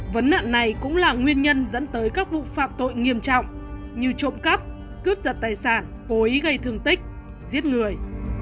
vấn nạn này cũng là nguyên nhân dẫn tới các vụ phạm tội nghiêm trọng như trộm cắp cướp giật tài sản cố ý gây thương tích giết người